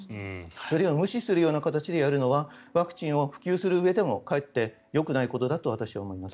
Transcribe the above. それを無視する形でやるのはワクチンを普及するうえでもかえってよくないことだと思います。